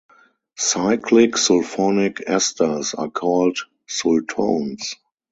Cyclic sulfonic esters are called sultones.